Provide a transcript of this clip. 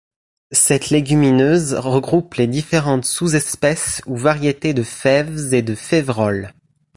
Cette légumineuse regroupe les différentes sous-espèces ou variétés de fèves et de féveroles.